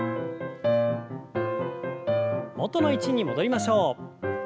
元の位置に戻りましょう。